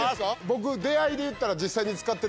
僕出会いで言ったら。